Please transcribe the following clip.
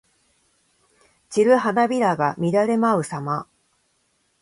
散る花びらが乱れ舞うさま。